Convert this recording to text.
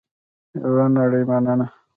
یوه نړۍ مننه